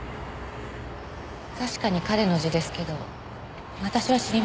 確かに彼の字ですけど私は知りません。